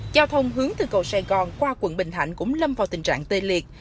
giao thông hướng từ cầu sài gòn qua quận bình thạnh cũng lâm vào tình trạng tê liệt